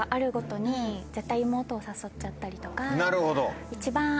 なるほど。